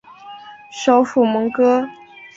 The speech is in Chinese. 首府蒙戈。